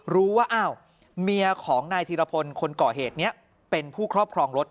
รู้ว่าอ้าวเมียของนายธีรพลคนก่อเหตุนี้เป็นผู้ครอบครองรถ